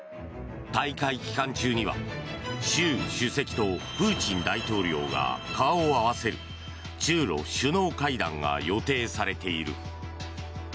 大会期間中には習主席とプーチン大統領が顔を合わせる中ロ首脳会談が予定されている。